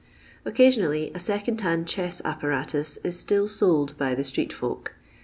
Occasionally, a second hand chess apparatus is still sold by the street folk.